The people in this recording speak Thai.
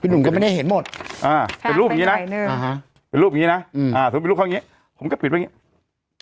พี่หนุ่มก็ไม่ได้เห็นหมดเป็นรูปอย่างนี้นะผมก็ปิดไปอย่างเนี้ย